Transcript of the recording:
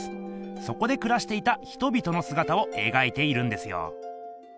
そこでくらしていた人々のすがたをえがいているんですよ。